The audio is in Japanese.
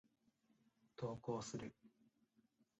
投稿する。